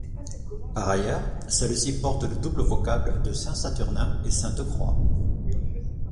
Par ailleurs celle-ci porte le double vocable de Saint-Saturnin et Sainte-Croix.